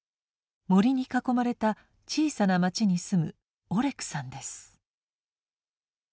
森に囲まれた小さな町に住むオレクさんです。